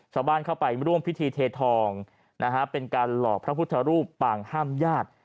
ชาวบ้านเข้าไปร่วมพิธีเททองนะฮะเป็นการหลอกพระพุทธรูปปางห้ามญาติ